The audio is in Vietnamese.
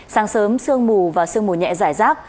sáng sớm sương mù và sương mù nhẹ giải rác